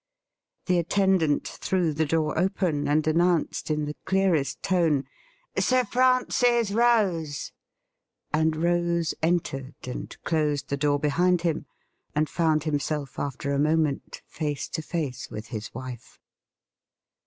The attendant threw the door open, and announced in the clearest tone, ' Sir Francis Rose,' and Rose entered and closed the door behind him, and found himself after a moment face to face with his wife.